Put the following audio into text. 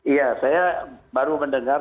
iya saya baru mendengar